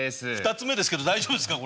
２つ目ですけど大丈夫ですか？